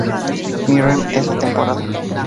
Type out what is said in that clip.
Mirren esa temporada.